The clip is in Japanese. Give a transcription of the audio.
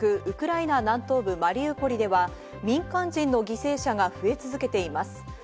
ウクライナ南東部マリウポリでは民間人の犠牲者が増え続けています。